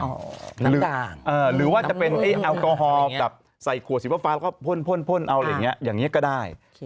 น้ำกาหรือว่าจะเป็นแอลกอฮอล์แบบใส่ขัวสีฟ้าก็พ่นเอาอย่างนี้ก็ได้